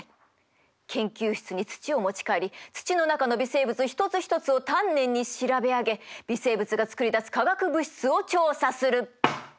研究室に土を持ち帰り土の中の微生物一つ一つを丹念に調べ上げ微生物が作り出す化学物質を調査する。